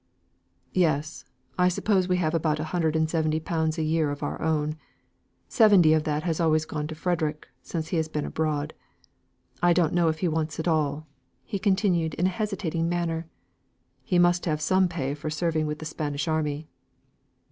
"Yes. I suppose we have about a hundred and twenty pounds a year of our own. Seventy of that has always gone to Frederick, since he has been abroad. I don't know if he wants it all," he continued in a hesitating manner. "He must have some pay for serving with the Spanish army."